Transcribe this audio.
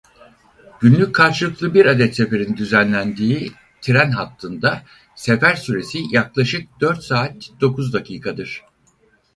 Günlük karşılıklı bir adet seferin düzenlendiği tren hattında sefer süresi yaklaşık dört saat dokuz dakikadır.